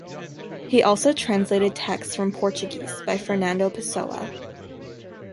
He also translated texts from Portuguese by Fernando Pessoa.